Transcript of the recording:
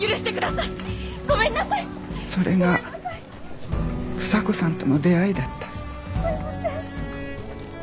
それが房子さんとの出会いだった。